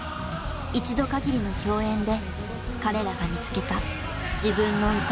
一度限りの共演で彼らが見つけた自分の歌。